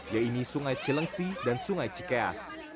yaitu sungai cilengsi dan sungai cikeas